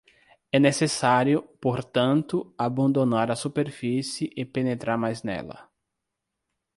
É necessário, portanto, abandonar a superfície e penetrar mais nela.